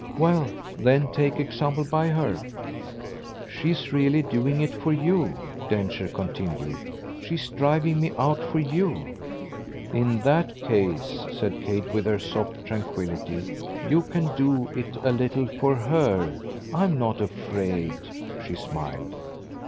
"Well then take example by her." "She's really doing it for you," Densher continued. "She's driving me out for you." "In that case," said Kate with her soft tranquillity, "you can do it a little for HER. I'm not afraid," she smiled.